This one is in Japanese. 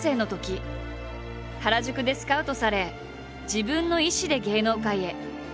原宿でスカウトされ自分の意志で芸能界へ。